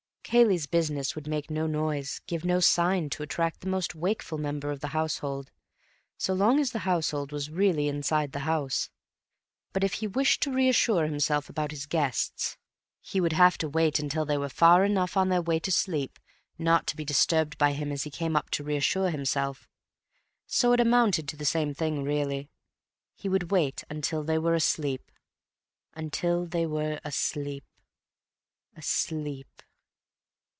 Cayley's business would make no noise, give no sign, to attract the most wakeful member of the household, so long as the household was really inside the house. But if he wished to reassure himself about his guests, he would have to wait until they were far enough on their way to sleep not to be disturbed by him as he came up to reassure himself. So it amounted to the same thing, really. He would wait until they were asleep.... until they were asleep.... asleep....